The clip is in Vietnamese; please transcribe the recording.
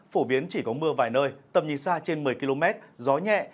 phổ biến chỉ có mưa vài nơi tầm nhìn xa trên một mươi km gió nhẹ